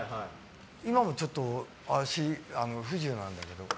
今もちょっと足、不自由なんだけど。